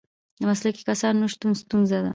د مسلکي کسانو نشتون ستونزه ده.